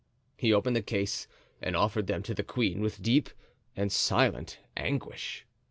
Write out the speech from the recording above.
He opened the case and offered them to the queen with deep and silent anguish.